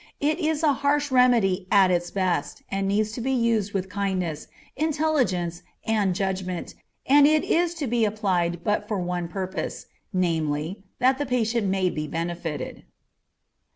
It is a harsh remedy at its best, and needs to be used with kindness, intelligence, and judgment, and it is to be applied but for one purpose, namely, that the patient may be benefited.